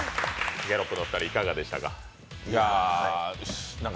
ギャロップのお二人、いかがでしたか？